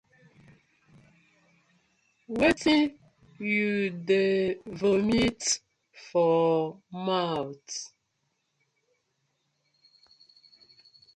Wetin yu dey vomit for mouth.